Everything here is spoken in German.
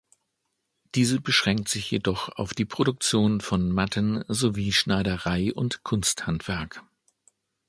Diese beschränkt sich jedoch auf die Produktion von Matten, sowie Schneiderei und Kunsthandwerk.